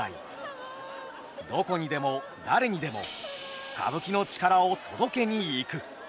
どこにでも誰にでも歌舞伎の力を届けに行く。